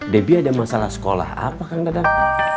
debbie ada masalah sekolah apa kan dadang